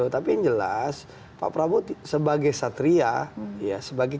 tapi yang jelas pak prabowo sebagai